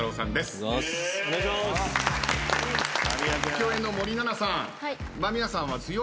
共演の森七菜さん。